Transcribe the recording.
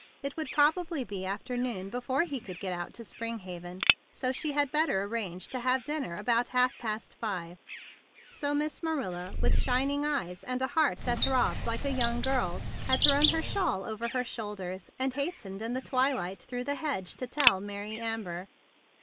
It would probably be afternoon before he could get out to Springhaven; so she had better arrange to have dinner about half past five. So Miss Marilla, with shining eyes and heart that throbbed like a young girl's, had thrown her cape over her shoulders and hastened in the twilight through the hedge to tell Mary Amber.